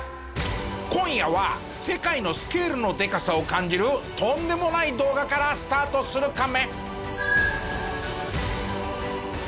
今夜は世界のスケールのデカさを感じるとんでもない動画からスタートするカメ。